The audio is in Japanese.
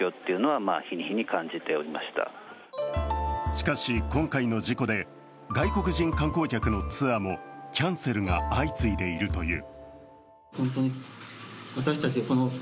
しかし、今回の事故で外国人観光客のツアーもキャンセルが相次いでいるという。